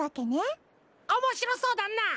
おもしろそうだなあ！